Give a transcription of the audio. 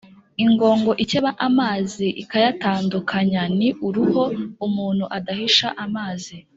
ingongo ikeba amazi ikayatandukanya ni uruho umuntu adahisha amazi.»